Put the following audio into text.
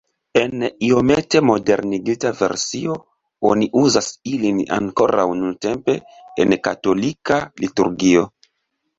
En iomete modernigita versio oni uzas ilin ankoraŭ nuntempe en katolika liturgio.